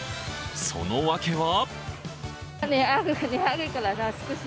その訳は？